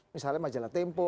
misalnya majalah tempo